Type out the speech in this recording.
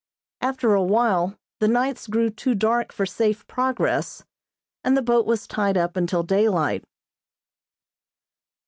After a while the nights grew too dark for safe progress, and the boat was tied up until daylight.